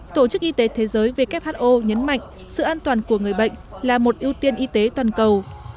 tổ chức y tế thế giới who nhấn mạnh sự an toàn của người bệnh là một ưu tiên y tế toàn cầu